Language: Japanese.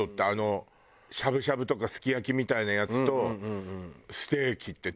しゃぶしゃぶとかすき焼きみたいなやつとステーキって。